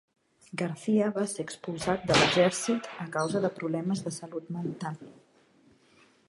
Garcia va ser expulsat de l'exèrcit a causa de "problemes de salut mental".